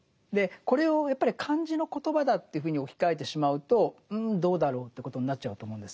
これをやっぱり漢字の言葉だというふうに置き換えてしまうとうんどうだろうということになっちゃうと思うんですね。